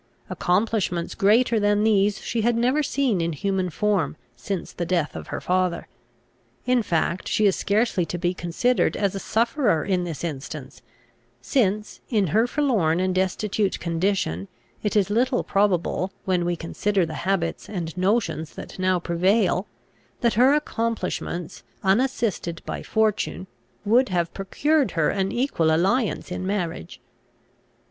Accomplishments greater than these she had never seen in human form, since the death of her father. In fact, she is scarcely to be considered as a sufferer in this instance; since, in her forlorn and destitute condition, it is little probable, when we consider the habits and notions that now prevail, that her accomplishments, unassisted by fortune, would have procured her an equal alliance in marriage.